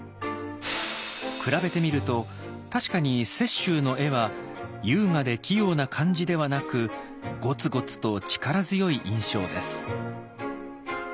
比べてみると確かに雪舟の絵は優雅で器用な感じではなくゴツゴツと力強い印象です。